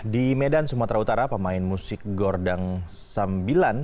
di medan sumatera utara pemain musik gordang sambilan